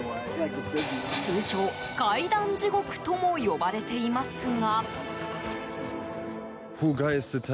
通称、階段地獄とも呼ばれていますが。